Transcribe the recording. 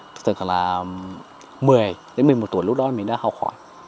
từ khoảng là một mươi một mươi một tuổi lúc đó mình đã học hỏi